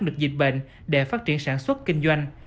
được dịch bệnh để phát triển sản xuất kinh doanh